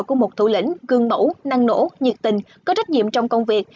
của một thủ lĩnh gương mẫu năng nổ nhiệt tình có trách nhiệm trong công việc